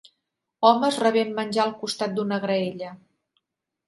homes rebent menjar al costat d'una graella